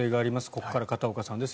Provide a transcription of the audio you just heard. ここから片岡さんです。